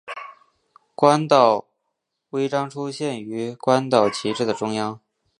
关岛徽章出现于关岛旗帜的中央。